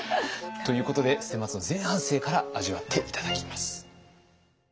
ということで捨松の前半生から味わって頂きます。